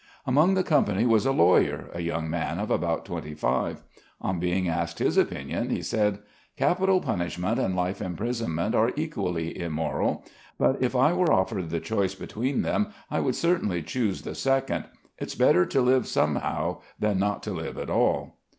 Among the company was a lawyer, a young man of about twenty five. On being asked his opinion, he said: "Capital punishment and life imprisonment are equally immoral; but if I were offered the choice between them, I would certainly choose the second. It's better to live somehow than not to live at all."